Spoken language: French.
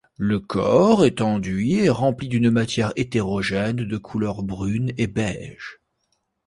Le corps est enduit et rempli d'une matière hétérogène de couleur brune et beige.